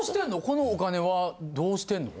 このお金はどうしてんの？